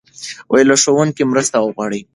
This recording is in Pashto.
له ښوونکي مرسته وغواړه.